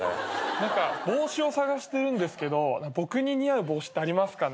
何か帽子を探してるんですけど僕に似合う帽子ってありますかね？